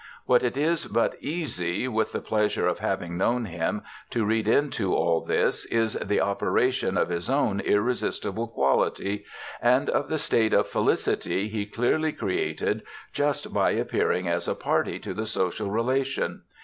What it is but too easy, with the pleasure of having known him, to read into all this is the operation of his own irresistible quality, and of the state of felicity he clearly created just by appearing as a party to the social relation.